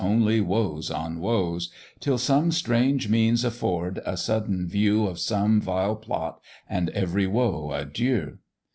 only woes on woes; Till some strange means afford a sudden view Of some vile plot, and every woe adieu!